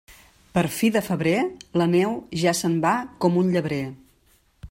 Per fi de febrer, la neu ja se'n va com un llebrer.